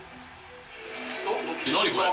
何これ。